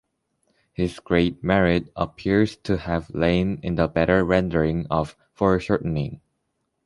His great merit appears to have lain in the better rendering of foreshortening.